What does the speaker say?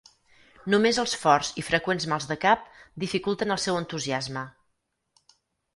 Només els forts i freqüents mals de cap dificulten el seu entusiasme.